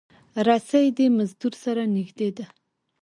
رسۍ د مزدور سره نږدې ده.